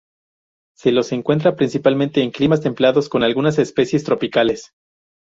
Se los encuentra principalmente en climas templados, con algunas especies tropicales.